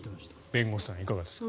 弁護士さんいかがですか。